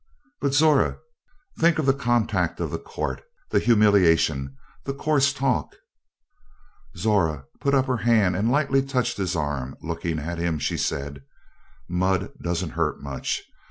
"But, Zora, think of the contact of the court, the humiliation, the coarse talk " Zora put up her hand and lightly touched his arm. Looking at him, she said: "Mud doesn't hurt much.